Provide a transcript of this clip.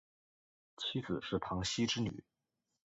妻子是庞羲之女。